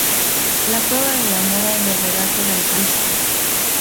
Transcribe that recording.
La cueva de la mora en el regato del Risco.